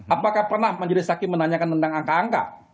apakah pernah majelis hakim menanyakan tentang angka angka